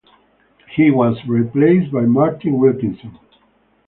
He was replaced by Martin Wilkinson.